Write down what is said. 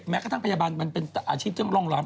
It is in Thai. กระทั่งพยาบาลมันเป็นอาชีพที่ต้องร่องล้ำ